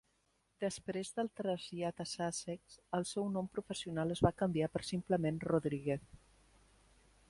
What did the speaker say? Després del trasllat a Sussex, el seu nom professional es va canviar per simplement Rodríguez.